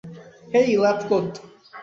হেই, ল্যাবকোট।